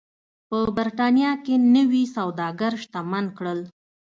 په برېټانیا کې نوي سوداګر شتمن کړل.